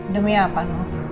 demi apa noh